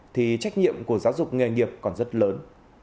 thì trách nhiệm của giáo dục nghề nghiệp còn rất lớn